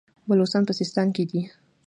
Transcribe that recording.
بلوڅان په سیستان کې دي.